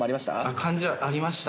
漢字はありました。